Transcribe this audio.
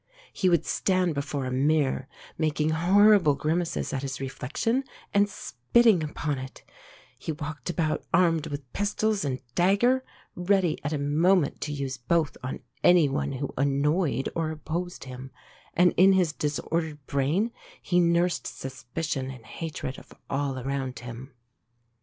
He would stand before a mirror, making horrible grimaces at his reflection, and spitting upon it; he walked about armed with pistols and dagger, ready at a moment to use both on any one who annoyed or opposed him; and in his disordered brain he nursed suspicion and hatred of all around him.